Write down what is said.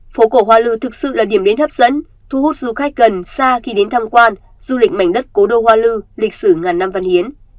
phố cổ hoa lư thực sự là điểm đến hấp dẫn thu hút du khách gần xa khi đến tham quan du lịch mảnh đất cố đô hoa lư lịch sử ngàn năm văn hiến